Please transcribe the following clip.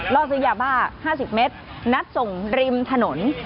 ล่อซื้อยาบ้า๕๐เมตรนัดส่งริมถนน